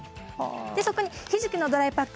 でそこにひじきのドライパック。